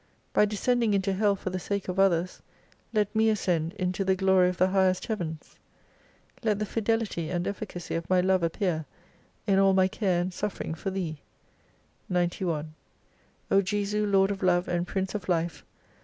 By descending into Hell for the sake of others, let me ascend into the glory of the Highest Heavens. Let the fidelity and efficacy of my love appear, in all my care and suffering for Thee, 91 O Jesu, Lord of Love and Prince of Life